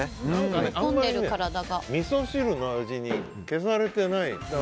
あんまり、みそ汁の味に消されていない。